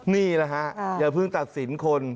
นี่แหละฮะอย่าเพิ่งตัดสินคน